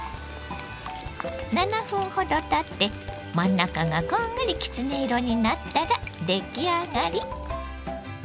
７分ほどたって真ん中がこんがりきつね色になったら出来上がり。